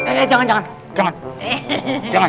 eh jangan jangan jangan